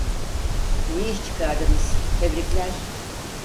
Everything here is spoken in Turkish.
İyi iş çıkardınız, tebrikler.